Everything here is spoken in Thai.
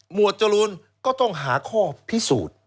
วดจรูนก็ต้องหาข้อพิสูจน์